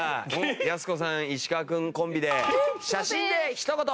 やす子さん石川君コンビで写真でひと言。